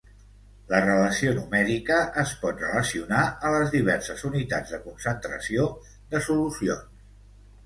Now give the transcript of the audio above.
La relació numèrica es pot relacionar a les diverses unitats de concentració de solucions.